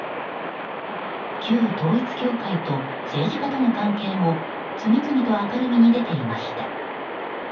旧統一教会と政治家との関係も次々と明るみに出ていました。